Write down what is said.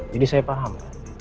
jadi saya paham